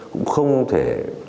cũng không thể